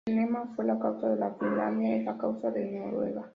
El lema fue "La causa de Finlandia es la causa de Noruega".